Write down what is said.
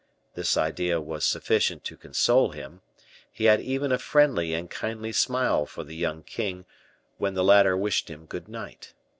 This idea was sufficient to console him; he had even a friendly and kindly smile for the young king, when the latter wished him good night.